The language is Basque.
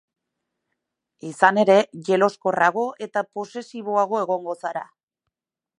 Izan ere, jeloskorrrago eta posesiboago egongo zara.